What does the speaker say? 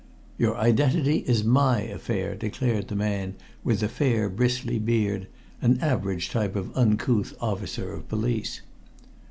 "Your identity is my affair," declared the man with the fair, bristly beard, an average type of the uncouth officer of police.